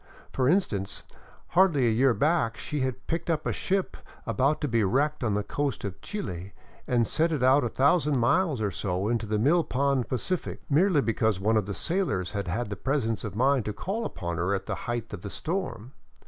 For instance : Hardly a year back she had picked up a ship about to be wrecked on the coast of Chile and set it out a thousand miles or so into the mill pond Pacific, merely because one of the sailors had had the presence of mind to call upon her at the height of the storm.